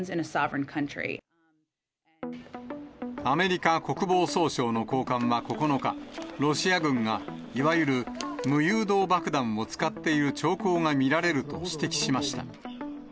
アメリカ国防総省の高官は９日、ロシア軍がいわゆる無誘導爆弾を使っている兆候が見られると指摘しました。